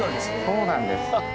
そうなんです。